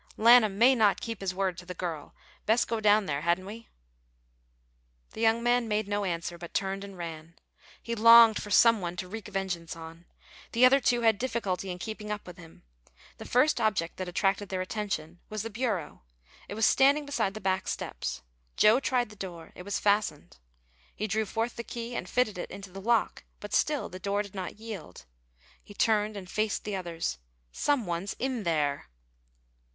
"Lanham may not keep his word to the girl. Best go down there, hadn't we?" The young man made no answer, but turned and ran. He longed for some one to wreak vengeance on. The other two had difficulty in keeping up with him. The first object that attracted their attention was the bureau. It was standing beside the back steps. Joe tried the door; it was fastened. He drew forth the key and fitted it into the lock, but still the door did not yield. He turned and faced the others. "_Some one's in there!